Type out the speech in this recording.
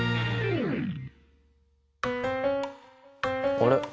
あれ？